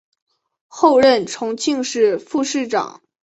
后任重庆市副市长。